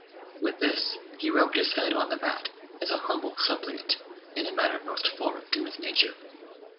With this he rubbed his head on the mat, as a humble suppliant, in a manner most foreign to his nature.